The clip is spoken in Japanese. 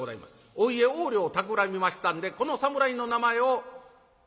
お家横領をたくらみましたんでこの侍の名前を吉良といたしましょう。